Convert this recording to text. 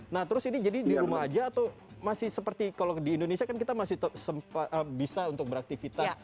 nah terus ini jadi di rumah aja atau masih seperti kalau di indonesia kan kita masih bisa untuk beraktivitas